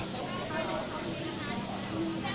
เป็นแสดง